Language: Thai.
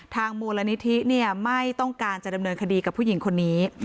มูลนิธิไม่ต้องการจะดำเนินคดีกับผู้หญิงคนนี้